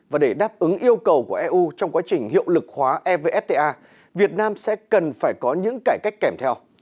và để đáp ứng yêu cầu của eu trong quá trình hiệu lực hóa evfta việt nam sẽ cần phải có những cải cách kèm theo